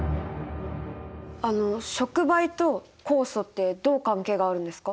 あの触媒と酵素ってどう関係があるんですか？